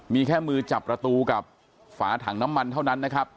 มีแค่มือจับประตูกับฝาถังน้ำมันเท่านั้นนะครับ